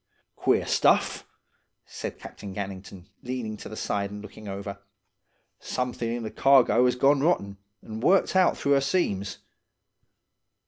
"'Queer stuff,' said Captain Gannington, leaning to the side and looking over. 'Something in the cargo as 'as gone rotten, and worked out through 'er seams.